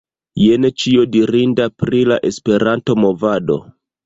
Jen ĉio dirinda pri "La Esperanto-Movado."